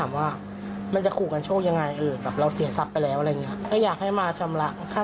อ้าวคุณทะเลาะกัน๒คน